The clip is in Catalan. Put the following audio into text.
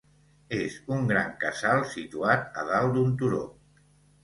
És un gran casal situat a dalt d'un turó.